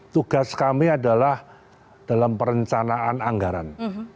tugas kami adalah dalam perencanaan anggaran